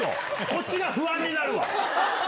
こっちが不安になるわ。